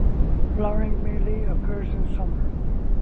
Flowering mainly occurs in summer.